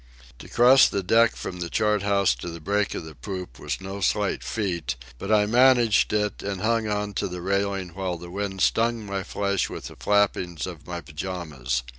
To cross the deck from the chart house to the break of the poop was no slight feat, but I managed it and hung on to the railing while the wind stung my flesh with the flappings of my pyjamas.